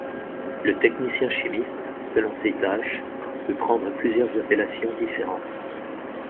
Le technicien chimiste, selon ses tâches, peut prendre plusieurs appellations différentes.